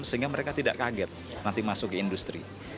sehingga mereka tidak kaget nanti masuk ke industri